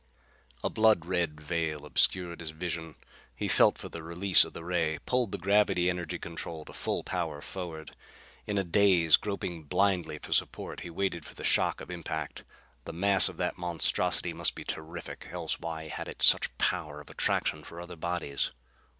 A blood red veil obscured his vision. He felt for the release of the ray; pulled the gravity energy control to full power forward. In a daze, groping blindly for support, he waited for the shock of impact. The mass of that monstrosity must be terrific, else why had it such a power of attraction for other bodies?